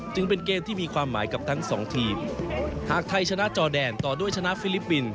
จึงเป็นเกมที่มีความหมายกับทั้งสองทีมหากไทยชนะจอแดนต่อด้วยชนะฟิลิปปินส